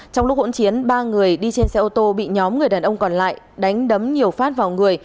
trong lúc hỗn chiến ba người đi trên xe ô tô bị nhóm người đàn ông còn lại đánh đấm nhiều phát vào người